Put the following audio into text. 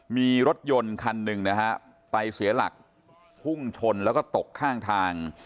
มีรถยนต์คันหนึ่งนะฮะไปเสียหลักพุ่งชนแล้วก็ตกข้างทาง